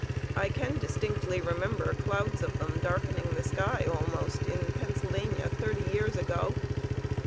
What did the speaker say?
I can distinctly remember clouds of them, darkening the sky, almost, in Pennsylvania, thirty years ago.